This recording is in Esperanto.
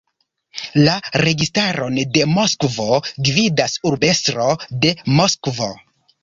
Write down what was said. La Registaron de Moskvo gvidas Urbestro de Moskvo.